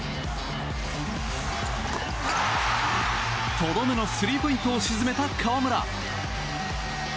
とどめのスリーポイントを沈めた河村。